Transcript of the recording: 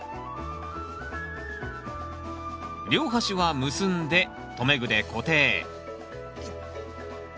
両端は結んで留め具で固定。